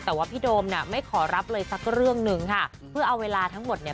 แต่ว่าพี่โดมน่ะไม่ขอรับเลยสักเรื่องหนึ่งค่ะเพื่อเอาเวลาทั้งหมดเนี่ย